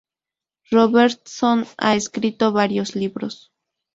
Robertson ha escrito varios libros.